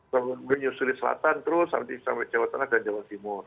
bisa menyusuli selatan terus sampai jawa tengah dan jawa timur